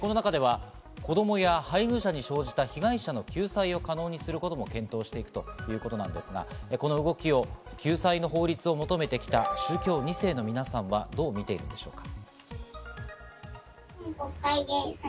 この中では子供や配偶者に生じた被害者の救済を可能にすることも検討していくということなんですが、この動きを救済の法律を求めてきた、宗教二世の皆さんはどう見ているんでしょうか？